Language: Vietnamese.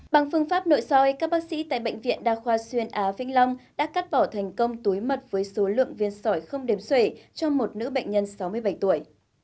bằng phương pháp nội soi các bác sĩ tại bệnh viện đa khoa xuyên á vĩnh long đã cắt bỏ thành công túi mật với số lượng viên sỏi không đếm sể cho một nữ bệnh nhân sáu mươi bảy tuổi